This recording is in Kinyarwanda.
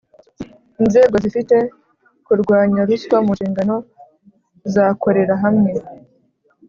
Inzego zifite kurwanya ruswa mu nshingano zakorera hamwe